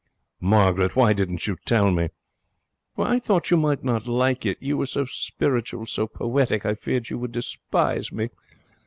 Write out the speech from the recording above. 'Margaret! Why didn't you tell me?' 'I thought you might not like it. You were so spiritual, so poetic. I feared you would despise me.'